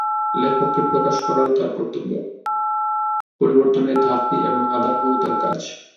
লেখককে প্রকাশ করাও তার কর্তব্য, পরিবর্তনের ধাত্রী এবং আধার হওয়াও তার কাজ।